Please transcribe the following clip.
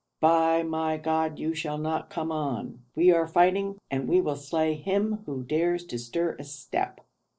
'By my God you shall not come on!' 'We are fighting and we will slay him who dares to stir a step!'